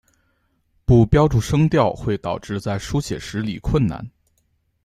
不标注声调会导致在书写时理困难。